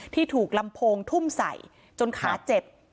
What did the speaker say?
ถูกลำโพงทุ่มใส่จนขาเจ็บ